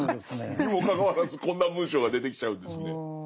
にもかかわらずこんな文章が出てきちゃうんですね。